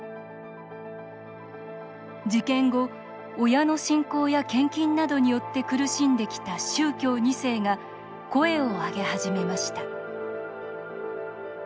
事件後、親の信仰や献金などによって苦しんできた宗教２世が声を上げ始めました